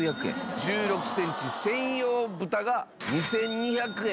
１６センチ専用蓋が２２００円。